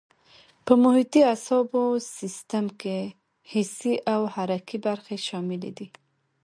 په محیطي اعصابو سیستم کې حسي او حرکي برخې شاملې دي.